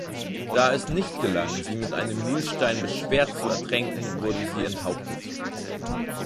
Da es nicht gelang, sie mit einem Mühlstein beschwert zu ertränken, wurden sie enthauptet.